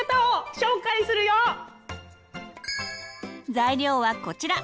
材料はこちら。